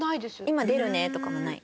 「今出るね」とかもない？